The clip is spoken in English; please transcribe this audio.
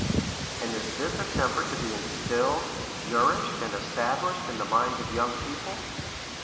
, And is this a temper to be instilled, nourished, and established in the minds of young people